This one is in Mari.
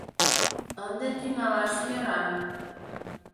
Ынде тӱҥалаш йӧра.